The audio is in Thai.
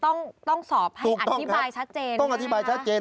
สอบสวนต้องสอบให้อธิบายชัดเจนใช่ไหมครับต้องครับต้องอธิบายชัดเจน